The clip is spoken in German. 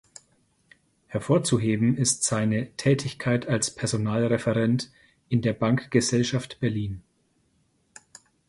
Hervorzuheben ist seine Tätigkeit als Personalreferent in der Bankgesellschaft Berlin.